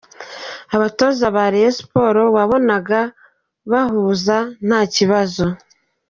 Abatoza ba Rayon Sports wabonaga bahuza nta kibazo.